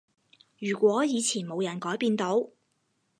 如果以前冇人改變到